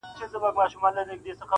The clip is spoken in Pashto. • دېوال نم زړوي خو انسان غم زړوي -